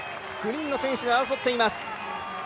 ９人の選手が争っています。